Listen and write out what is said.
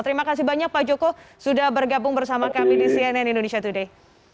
terima kasih banyak pak joko sudah bergabung bersama kami di cnn indonesia today